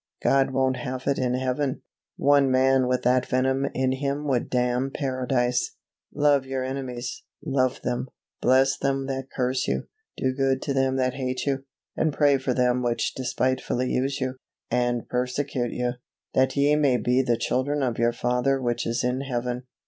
God won't have it in Heaven. One man with that venom in him would damn Paradise, "Love your enemies" love them; "bless them that curse you, do good to them that hate you, and pray for them which despitefully use you, and persecute you; that ye may be the children of your Father which is in Heaven."